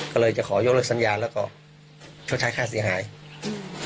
ก็เลยจะขอยกเลิกสัญญาแล้วก็ชดใช้ค่าเสียหายอืม